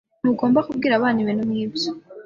Ntugomba kubwira abana ibintu nkibyo.